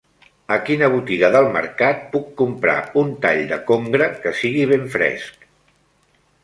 A quina botiga del mercat puc comprar un tall de congre que sigui ben fresc?